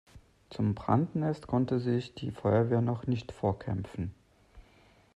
Zum Brandnest konnte sich die Feuerwehr noch nicht vorkämpfen.